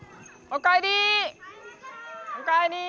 おかえり！